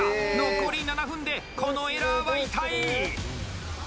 残り７分でこのエラーは痛い！